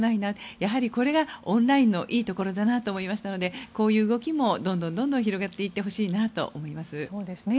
やはり、これがオンラインのいいところだなと思いましたのでこういう動きもどんどん広がっていってほしいなと思います。